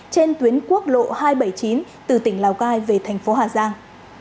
trên tuyến quốc lộ hai trăm bảy mươi chín từ tỉnh lào cai về thành phố hà giang